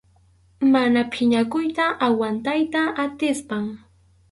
Mana phiñakuyta aguantayta atispam.